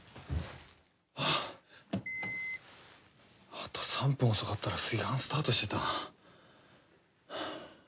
あと３分遅かったら炊飯スタートしてたな。